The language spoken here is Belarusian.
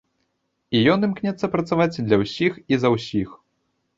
І ён імкнецца працаваць для ўсіх і за ўсіх.